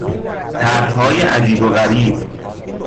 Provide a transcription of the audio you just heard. طرحهای عجیب و غریب